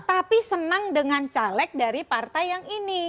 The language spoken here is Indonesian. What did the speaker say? tapi senang dengan caleg dari partai yang ini